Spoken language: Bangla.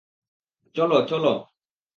চলো, চলো।